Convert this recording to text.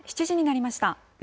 ７時になりました。